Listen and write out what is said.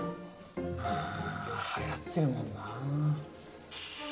まぁはやってるもんな。